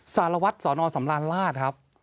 สารวัตรสนสำราญราชครับ